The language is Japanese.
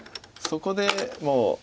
そこでもう。